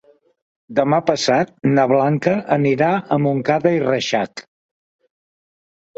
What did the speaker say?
Demà passat na Blanca anirà a Montcada i Reixac.